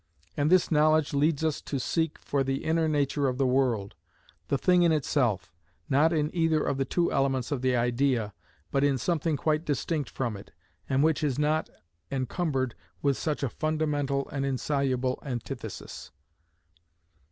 And this knowledge leads us to seek for the inner nature of the world, the thing in itself, not in either of the two elements of the idea, but in something quite distinct from it, and which is not encumbered with such a fundamental and insoluble antithesis.